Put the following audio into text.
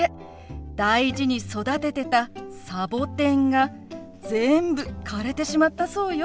大事に育ててたサボテンが全部枯れてしまったそうよ。